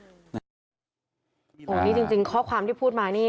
นี่จริงข้อความที่พูดมานี่